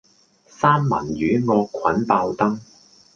三文魚惡菌爆燈